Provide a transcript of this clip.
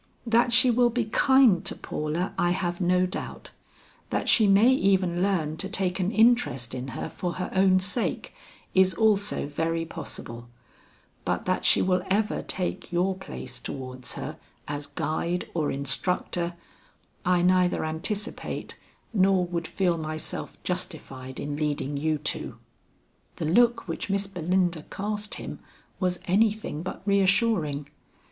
That she will be kind to Paula I have no doubt, that she may even learn to take an interest in her for her own sake, is also very possible, but that she will ever take your place towards her as guide or instructor, I neither anticipate nor would feel myself justified in leading you to." The look which Miss Belinda cast him was anything but reassuring.